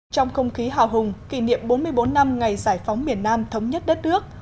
trong không khí hào hùng kỷ niệm bốn mươi bốn năm ngày giải phóng miền nam thống nhất đất nước